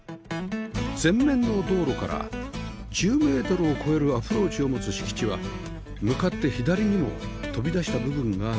前面の道路から１０メートルを超えるアプローチを持つ敷地は向かって左にも飛び出した部分がある Ｔ 字形